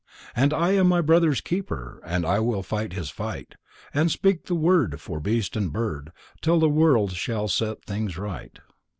And I am my brother's keeper And I will fight his fight, And speak the word For beast and bird Till the world shall set things right.